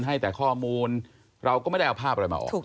ให้แต่ข้อมูลเราก็ไม่ได้เอาภาพอะไรมาออก